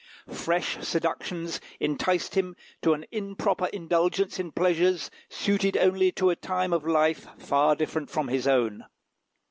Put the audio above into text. Fresh seductions enticed him to an improper indulgence in pleasures suited only to a time of life far different from his own.